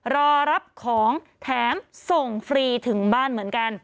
รอรับของแถมส่งฟรีถึงบ้านเหมือนกัน